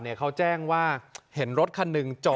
แม่ขึ้นแล้วเป็นยังไง